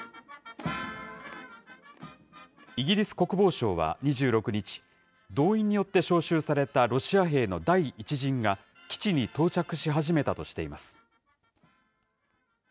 イギリス国防省は２６日、動員によって招集されたロシア兵の第１陣が基地に到着し始めたとしています。